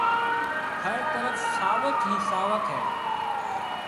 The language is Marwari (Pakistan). هر طرف ساوڪ هِي ساوڪ هيَ۔